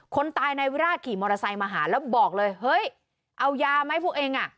คนตายนายวิราชขี่มอเตอร์ไซค์มาหาแล้วบอกเลยเฮ้ยเอายาไหมพวกเองอ่ะ